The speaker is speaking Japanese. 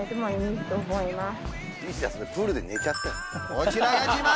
こちらが自慢！